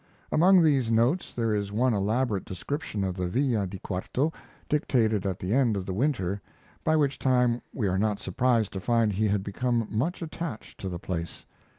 Among these notes there is one elaborate description of the Villa di Quarto, dictated at the end of the winter, by which time we are not surprised to find he had become much attached to the place.